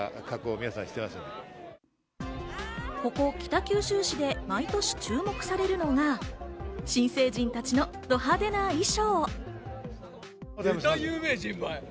ここ北九州市で毎年注目されるのが、新成人たちのド派手な衣装。